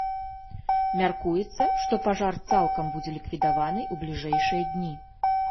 Мяркуецца, што пажар цалкам будзе ліквідаваны ў бліжэйшыя дні.